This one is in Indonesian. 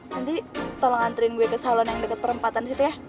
nanti tolong antriin gue ke salon yang dekat perempatan situ ya